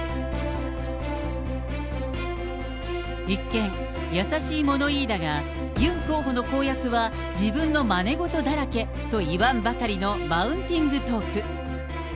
一見、優しい物言いだが、ユン候補の公約は自分のまね事だらけといわんばかりのマウンティングトーク。